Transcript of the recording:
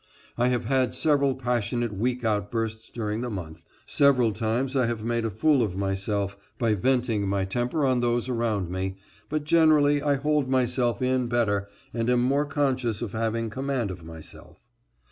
I have had several passionate weak outbursts during the month, several times I have made a fool of myself by venting my temper on those around me, but generally I hold myself in better and am more conscious of having command of myself.